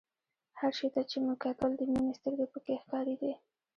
هر شي ته چې مې کتل د مينې سترګې پکښې ښکارېدې.